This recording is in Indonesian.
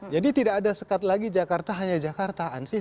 jadi tidak ada sekat lagi jakarta hanya jakartaan sih